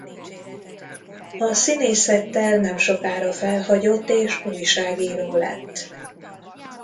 A színészettel nemsokára felhagyott és újságíró lett.